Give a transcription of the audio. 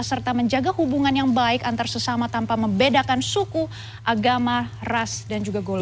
serta menjaga hubungan yang baik antar sesama tanpa membedakan suku agama ras dan juga golongan